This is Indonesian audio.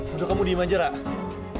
sudah kamu diima aja ratu